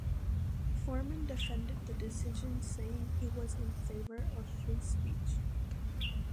Forman defended the decision saying he was in favour of free speech.